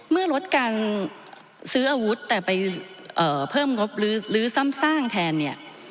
เมื่อลดการซื้ออาวุธแต่ไปเพิ่มงบหรือซ่อมสร้างแทนเนี่ย